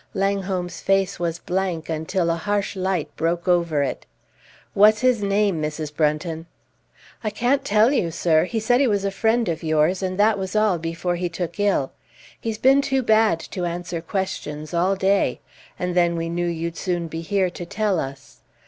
Langholm's face was blank until a harsh light broke over it. "What's his name, Mrs. Brunton?" "I can't tell you, sir. He said he was a friend of yours, and that was all before he took ill. He's been too bad to answer questions all day. And then we knew you'd soon be here to tell us."